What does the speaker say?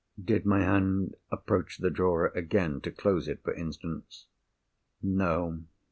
"Did my hand approach the drawer again—to close it, for instance?" "No.